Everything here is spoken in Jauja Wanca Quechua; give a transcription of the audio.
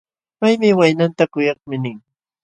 Paymi waynanta: kuyakmi nin.